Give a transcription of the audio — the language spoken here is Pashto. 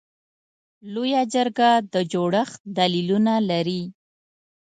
لویه جرګه د جوړښت دلیلونه لري.